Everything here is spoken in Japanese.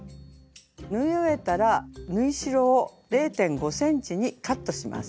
縫い終えたら縫い代を０．５ｃｍにカットします。